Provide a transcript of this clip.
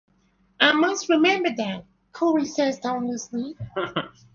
"I must remember that", Corry says tonelessly.